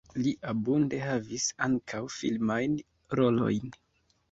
Li abunde havis ankaŭ filmajn rolojn.